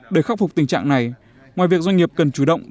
để khắc phục tình trạng này ngoài việc doanh nghiệp cần chủ động